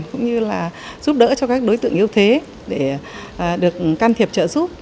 cũng như là giúp đỡ cho các đối tượng yếu thế để được can thiệp trợ giúp